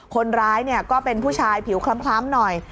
คนร้ายก็เป็นผู้ชายผิวคล้ำหน่อย